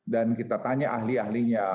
dan kita tanya ahli ahlinya